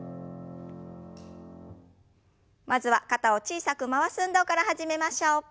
まずは肩を小さく回す運動から始めましょう。